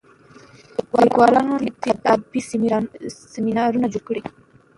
لیکوالان دي ادبي سیمینارونه جوړ کړي.